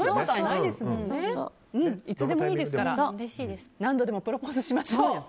いつでもいいですから何度でもプロポーズしましょう。